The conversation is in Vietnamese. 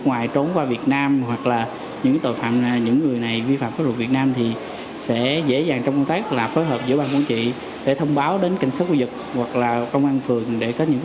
và trước đây cũng đã xuất hiện những trao lưu tương tự